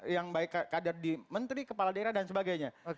yang baik kader di menteri kepala daerah dan sebagainya